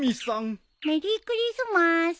メリークリスマス！